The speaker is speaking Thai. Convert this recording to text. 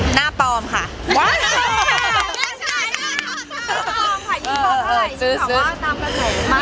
หน้าปลอมค่ะยิ่งบอมเท่าไหร่